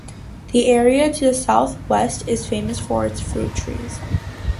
The area to the southwest is famous for its fruit trees.